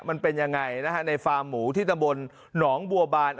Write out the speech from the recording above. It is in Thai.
มันเป็นยังไงนะฮะในฟาร์มหมูที่ตำบลหนองบัวบาน